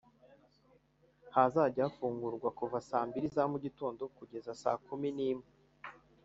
Hazajya hafungurwa kuva saa mbili za mu gitondo kugeza saa kumi n’imwe